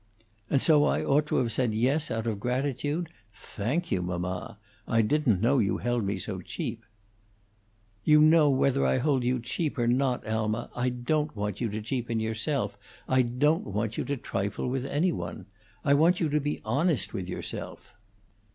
"And so I ought to have said yes out of gratitude? Thank you, mamma! I didn't know you held me so cheap." "You know whether I hold you cheap or not, Alma. I don't want you to cheapen yourself. I don't want you to trifle with any one. I want you to be honest with yourself."